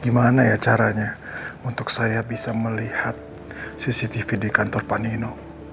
gimana ya caranya untuk saya bisa melihat cctv di kantor panino